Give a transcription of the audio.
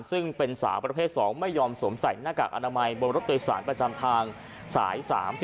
ซึ่งเป็นสาวประเภท๒ไม่ยอมสวมใส่หน้ากากอนามัยบนรถโดยสารประจำทางสาย๓๔